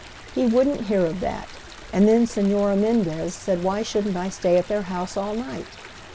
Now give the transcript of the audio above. He wouldn't hear of that, and then Señora Mendez said why shouldn't I stay at their house all night?